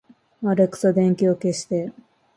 アレクサ、電気を消して